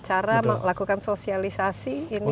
cara melakukan sosialisasi ini